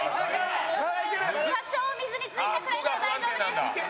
多少水についたくらいなら大丈夫です。